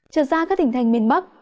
trở ra các tỉnh thành miền bắc